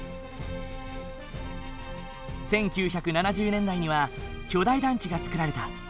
１９７０年代には巨大団地が造られた。